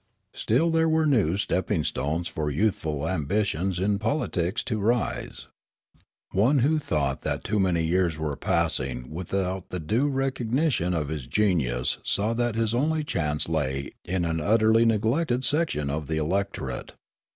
Still there were new stepping stones for youthful ambitions in politics to rise. One who thought that too many years were passing without the due recog nition of his genius saw that his only chance lay in an utterly neglected section of the electorate.